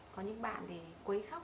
có những bạn thì quấy khóc